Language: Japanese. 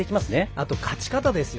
あと、勝ち方ですよ。